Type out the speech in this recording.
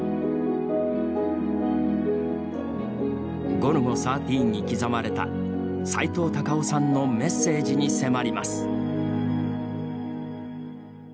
「ゴルゴ１３」に刻まれたさいとう・たかをさんのメッセージに迫ります。